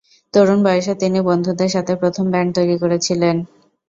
তরুণ বয়সে তিনি বন্ধুদের সাথে প্রথম ব্যান্ড তৈরি করেছিলেন।